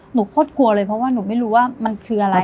โคตรกลัวเลยเพราะว่าหนูไม่รู้ว่ามันคืออะไร